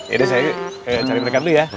ya udah saya cari mereka dulu ya